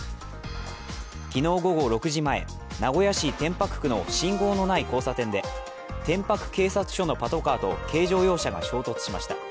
昨日午後６時前、名古屋市天白区の信号のない交差点で天白警察署のパトカーと軽乗用車が衝突しました。